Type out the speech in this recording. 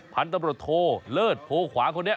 พันตรโทรเลิศโทรขวาคนเนี่ย